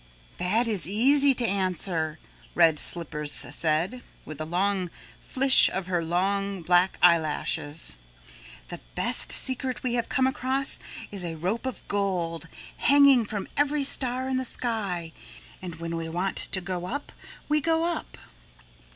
"That is easy to answer," Red Slippers said with a long flish of her long black eyelashes. "The best secret we have come across is a rope of gold hanging from every star in the sky and when we want to go up we go up."